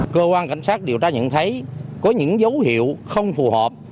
cơ quan cảnh sát điều tra nhận thấy có những dấu hiệu không phù hợp